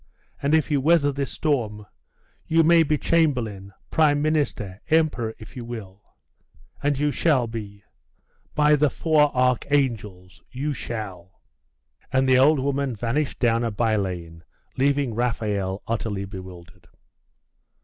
And if you weather this storm, you may be chamberlain, prime minister, emperor, if you will. And you shall be by the four archangels, you shall!' And the old woman vanished down a by lane, leaving Raphael utterly bewildered.